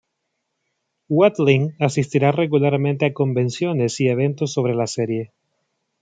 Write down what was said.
Watling asistía regularmente a convenciones y eventos sobre la serie.